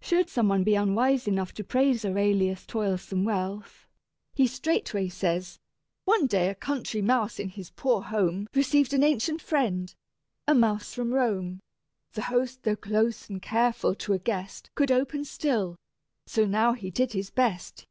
Should some one be unwise enough to praise Arellius' toilsome wealth, he straightway says: "One day a country mouse in his poor home Received an ancient friend, a mouse from Rome: The host, though close and careful, to a guest Could open still: so now he did his best.